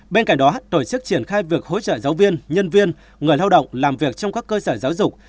bên cạnh đó tổ chức triển khai việc hỗ trợ giáo viên nhân viên người lao động làm việc trong các cơ sở giáo dục